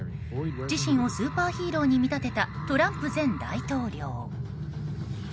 自身をスーパーヒーローに見立てたトランプ前大統領。